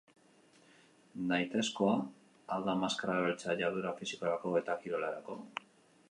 Nahitaezkoa al da maskara erabiltzea jarduera fisikorako eta kirolerako?